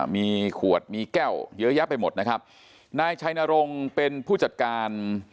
มีขวดมีแก้วเยอะแยะไปหมดนะครับนายชัยนรงค์เป็นผู้จัดการ